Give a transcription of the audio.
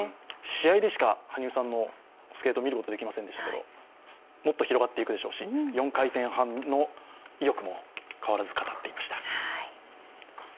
試合でしか羽生さんのスケートを見ることができませんでしたけれども、もっと広がっていくでしょうし、４回転半の意欲も変わらず語っていました。